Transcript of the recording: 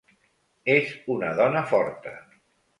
És una dona forta.